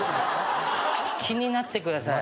気になってください。